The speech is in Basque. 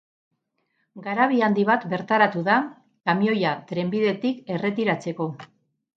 Garabi handi bat bertaratu da, kamioia trenbidetik erretiratzeko.